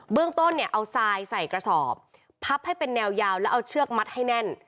เรื่องต้นเนี่ยเอาทรายใส่กระสอบพับให้เป็นแนวยาวแล้วเอาเชือกมัดให้แน่น